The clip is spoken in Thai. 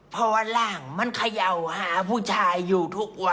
เพราะว่าร่างมันเขย่าหาผู้ชายอยู่ทุกวัน